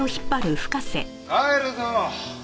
帰るぞ！